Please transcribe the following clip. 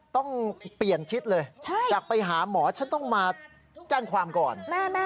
ต้องเปลี่ยนทิศเลยจากไปหาหมอฉันต้องมาแจ้งความก่อน